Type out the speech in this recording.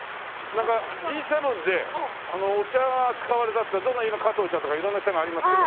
なんかＧ７でお茶が使われたってどの加藤茶とか色んな茶がありますけど。